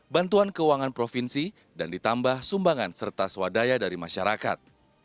bantuan keuangan provinsi dan ditambah sumbangan serta swadaya dari masyarakat